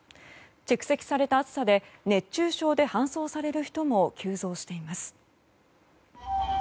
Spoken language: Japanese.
蓄積された暑さで熱中症で搬送される人も急増しています。